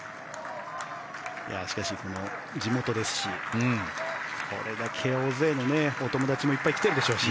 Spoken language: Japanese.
しかし、地元ですしこれだけ大勢のお友達もいっぱい来てるでしょうし。